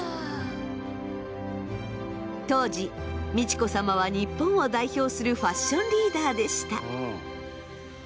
当時美智子さまは日本を代表するファッションリーダーでした。